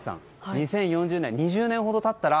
２０４０年、２０年ほど経ったら